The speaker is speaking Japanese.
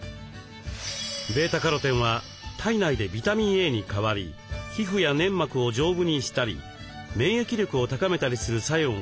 βカロテンは体内でビタミンＡに変わり皮膚や粘膜を丈夫にしたり免疫力を高めたりする作用が期待されています。